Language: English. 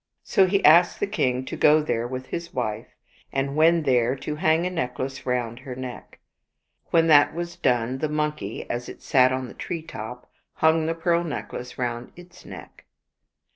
So he asked the king to go there with his wife, and when there, to hang a necklace round her neck. When that was done, the monkey, as it sat on the tree top, hung the pearl necklace round its neck.